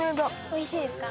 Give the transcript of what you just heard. おいしいですか？